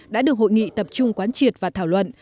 đã được hội nghị tập trung quán triệt và thảo luận